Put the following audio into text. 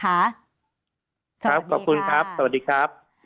ครับขอบคุณครับสวัสดีครับ